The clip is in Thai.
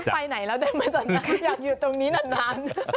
ไปไหนแล้วได้ไหมตอนนั้นอยากอยู่ตรงนี้นาน